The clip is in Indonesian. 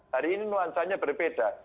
hari ini nuansanya berbeda